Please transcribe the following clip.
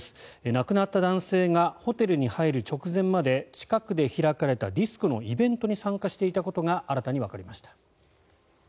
亡くなった男性がホテルに入る直前まで近くで開かれたディスコのイベントに参加していたことが新たにわかりました。